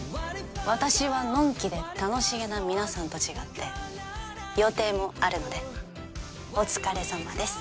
私はのんきで楽しげな皆さんと違って予定もあるのでお疲れさまです